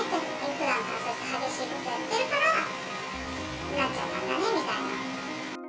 ふだんから激しいことをやってるから、なっちゃったんだねみたいな。